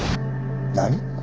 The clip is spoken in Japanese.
何！？